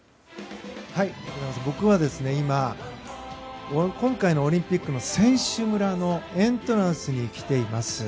僕は今今回のオリンピックの選手村のエントランスに来ています。